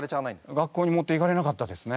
学校に持っていかれなかったですね。